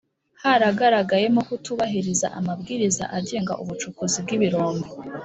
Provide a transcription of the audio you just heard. haragaragayemo kutubahiriza amabwiriza agenga ubucukuzi bw ibirombe